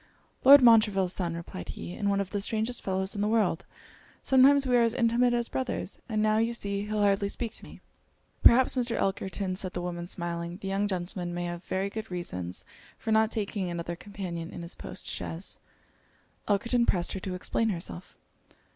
'Lord Montreville's son,' replied he; 'and one of the strangest fellows in the world. Sometimes we are as intimate as brothers; and now you see he'll hardly speak to me.' 'Perhaps, Mr. Elkerton,' said the woman, smiling, 'the young gentleman may have very good reasons for not taking another companion in his post chaise.' Elkerton pressed her to explain herself.